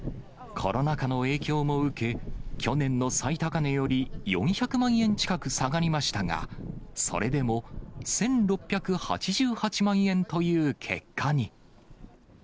コロナ禍の影響も受け、去年の最高値より４００万円近く下がりましたが、それでも１６８８万円という結果に。